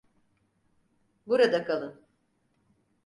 Burada kalın.